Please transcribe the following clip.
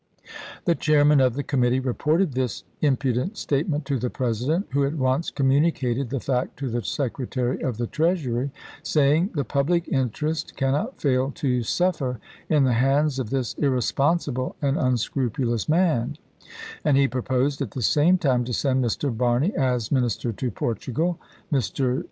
The chairman of the committee reported this impudent statement to the President, who at once communicated the fact to the Secretary of the Treasury, saying, " The public interest cannot fail to suffer in the hands of this irresponsible and un scrupulous man'7; and he proposed at the same time to send Mr. Barney as Minister to Portugal. Mr.